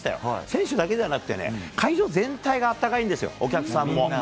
選手だけじゃなくてね、会場全体があったかいんですよ、お客さんも。